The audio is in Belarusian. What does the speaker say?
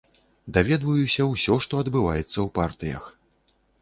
Даведваюся ўсё, што адбываецца ў партыях.